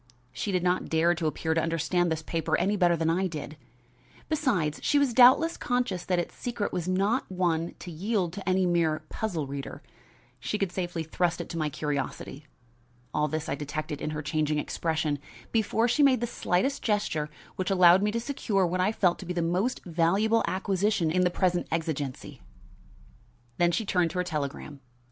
She did not dare to appear to understand this paper any better than I did. Besides, she was doubtless conscious that its secret was not one to yield to any mere puzzle reader. She could safely trust it to my curiosity. All this I detected in her changing expression, before she made the slightest gesture which allowed me to secure what I felt to be the most valuable acquisition in the present exigency. Then she turned to her telegram.